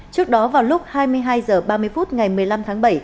trước đó vào lúc hai mươi hai h ba mươi phút ngày một mươi năm tháng bảy